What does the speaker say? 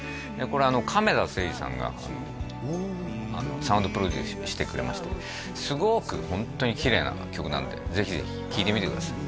これ亀田誠治さんがサウンドプロデュースしてくれましてすごくホントにきれいな曲なんでぜひぜひ聴いてみてください